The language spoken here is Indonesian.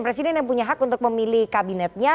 presiden yang punya hak untuk memilih kabinetnya